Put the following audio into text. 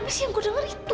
abis yang gue dengar itu